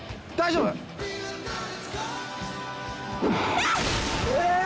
えっ！？